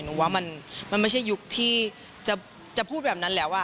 ว่ามันไม่ใช่ยุคที่จะพูดแบบนั้นแล้ว